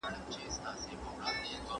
¬ خونه که مي وسوه، دېوالونه ئې پاخه سوه.